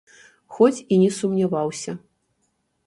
Хоць і не сумняваўся.